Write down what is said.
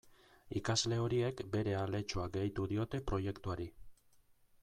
Ikasle horiek bere aletxoa gehitu diote proiektuari.